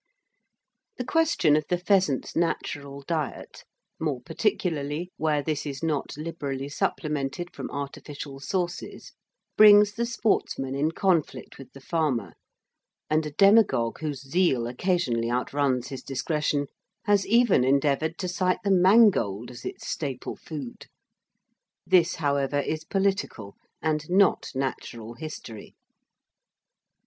The question of the pheasant's natural diet, more particularly where this is not liberally supplemented from artificial sources, brings the sportsman in conflict with the farmer, and a demagogue whose zeal occasionally outruns his discretion has even endeavoured to cite the mangold as its staple food. This, however, is political, and not natural history.